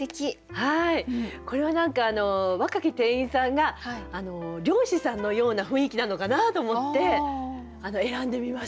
これは何か若き店員さんが漁師さんのような雰囲気なのかなと思って選んでみました。